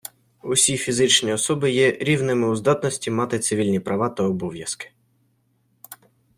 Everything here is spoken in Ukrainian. Усі фізичні особи є рівними у здатності мати цивільні права та обов'язки.